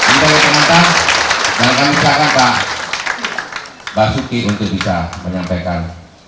ini bagi teman teman dan kami silakan pak suki untuk bisa menyampaikan